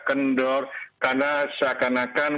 kendor karena seakan akan